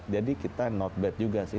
jadi kita tidak terlambat juga sih